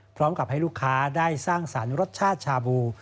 พร้อมกับให้ลูกค้าได้สร้างสรรค์รสชาติชาบู